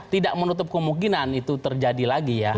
tidak menutup kemungkinan itu terjadi lagi ya